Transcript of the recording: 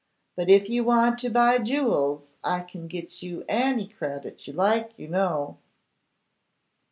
But if you want to buy jewels, I can get you any credit you like, you know.